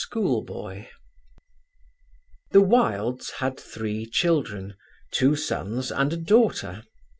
CHAPTER II The Wildes had three children, two sons and a daughter.